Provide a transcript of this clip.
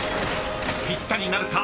［ぴったりなるか。